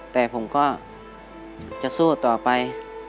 แต่ผมก็จะสู้ต่อไป